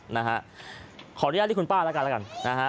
นะฮะขออนุญาตเรียกคุณป้าแล้วกันแล้วกันนะฮะ